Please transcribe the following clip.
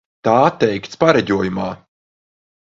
Tā teikts pareģojumā.